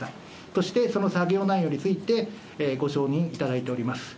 そして、その作業内容について、ご承認いただいております。